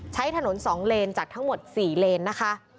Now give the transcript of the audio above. ใช้ถนน๒เลนจากทั้งหมด๔เลนนะคะ